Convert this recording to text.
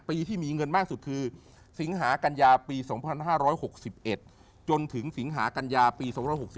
ปีที่มีเงินมากสุดคือสิงหากัญญาปี๒๕๖๑จนถึงสิงหากัญญาปี๒๖๔